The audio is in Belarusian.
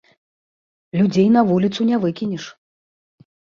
Людзей на вуліцу не выкінеш.